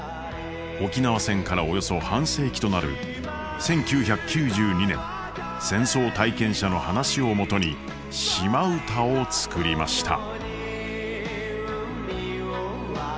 沖縄戦からおよそ半世紀となる１９９２年戦争体験者の話を基に「島唄」を作りました。